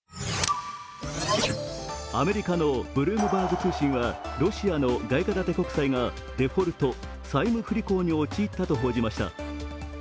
アメリカのブルームバーグ通信はロシアの外貨建て国債がデフォルト＝債務不履行に陥ったと発表しました。